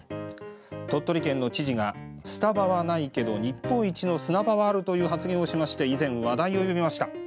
鳥取県の知事が「スタバはないけど日本一の砂場はある」という発言をしまして以前、話題を呼びました。